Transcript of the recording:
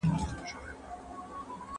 دا لر او بر پښتون به یو شي اخر